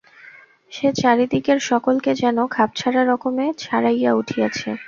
সে চারি দিকের সকলকে যেন খাপছাড়া রকমে ছাড়াইয়া উঠিয়াছে।